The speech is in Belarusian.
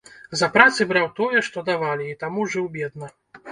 За працы браў тое, што давалі, і таму жыў бедна.